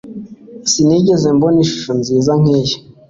Sinigeze mbona ishusho nziza nkiyi.